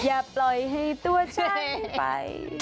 อย่าปล่อยให้ตัวฉันไป